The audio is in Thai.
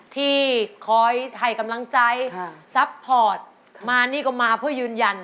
ที่คอยให้กำลังใจซัพพอร์ตมานี่ก็มาเพื่อยืนยัน